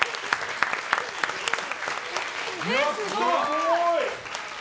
すごい！